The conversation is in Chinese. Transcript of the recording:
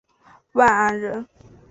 万安人。